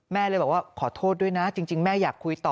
เลยบอกว่าขอโทษด้วยนะจริงแม่อยากคุยต่อ